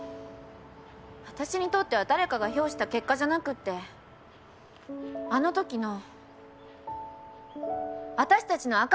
私にとっては誰かが評した結果じゃなくてあの時の私たちの証しなんだよ。